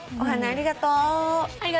ありがとう。